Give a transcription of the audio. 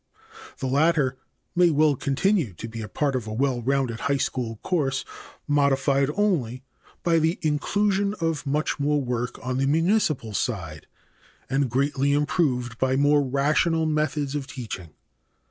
The latter may well continue to be a part of a well rounded high school course, modified only by the inclusion of much more work on the municipal side and greatly improved by more rational methods of teaching.